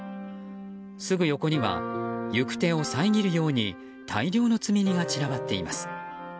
すぐ横には行く手を遮るように大量の積み荷が散らばっています。